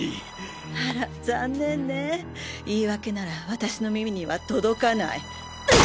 あら残念ね言い訳なら私の耳には届かない。